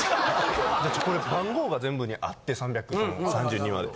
これ番号が全部にあって３３２まで。